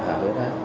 hà huyết áp